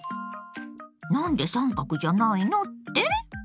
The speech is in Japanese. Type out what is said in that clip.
何で三角じゃないの？って？